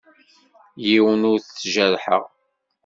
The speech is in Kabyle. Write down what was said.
Yiwen ur t-jerrḥeɣ.